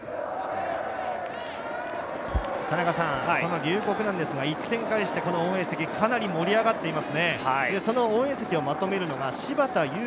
龍谷は１点返して、応援席かなり盛り上がっています。